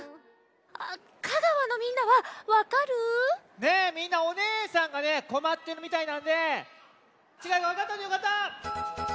香川のみんなはわかる？ねえみんなおねえさんがこまってるみたいなんでちがいがわかったというかた！